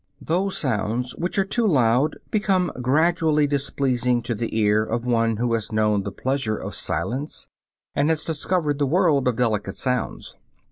Those sounds which are too loud become gradually displeasing to the ear of one who has known the pleasure of silence, and has discovered the world of delicate sounds.